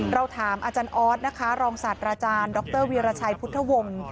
เราถามอาจารย์ออสนะคะรองศาสตราจารย์ดรวีรชัยพุทธวงศ์